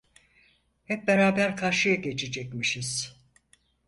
Hep beraber karşıya geçecekmişiz!